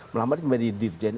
melamar kembali dirjen